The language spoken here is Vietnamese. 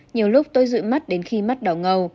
nhiều lúc tôi rụi mắt đến khi mắt đỏ ngầu